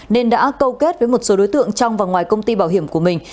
nên đã câu kết với một số đối tượng trong và ngoài công ty bảo hiểm của mình